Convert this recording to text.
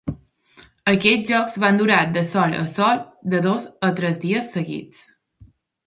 Aquests jocs van durar desol a sol de dos a tres dies seguits.